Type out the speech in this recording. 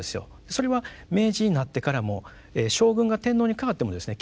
それは明治になってからも将軍が天皇にかわってもですね